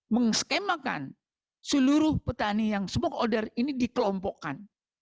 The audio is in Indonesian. mengeskemakan seluruh petani yang smoke odor ini dikelompokkan